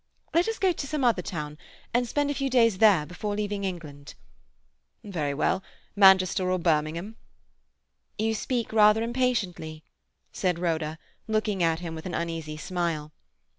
"Let us go to some other town, and spend a few days there before leaving England." "Very well. Manchester or Birmingham." "You speak rather impatiently," said Rhoda, looking at him with an uneasy smile.